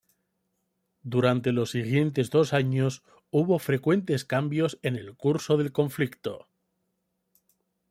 Durante los siguientes dos años hubo frecuentes cambios en el curso del conflicto.